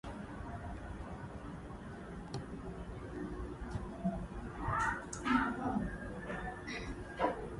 hii inaonyesha kwamba barack obama yuko tayari kuwa mtu ambayo anakuwa mtu msha